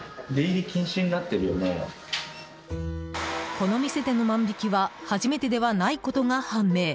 この店での万引きは初めてではないことが判明。